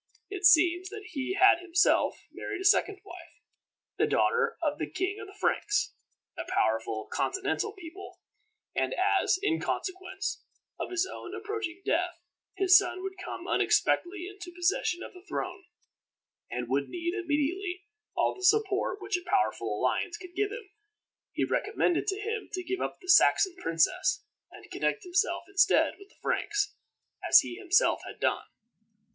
It seems that he had himself married a second wife, the daughter of a king of the Franks, a powerful continental people; and as, in consequence of his own approaching death, his son would come unexpectedly into possession of the throne, and would need immediately all the support which a powerful alliance could give him, he recommended to him to give up the Saxon princess, and connect himself, instead, with the Franks, as he himself had done.